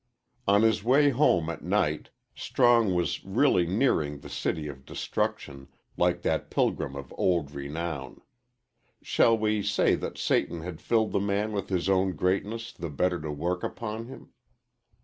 XX ON his way home at night Strong was really nearing the City of Destruction, like that pilgrim of old renown. Shall we say that Satan had filled the man with his own greatness the better to work upon him?